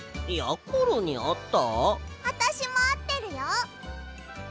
あたしもあってるよほら。